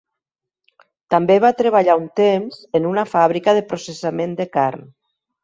També va treballar un temps en una fàbrica de processament de carn.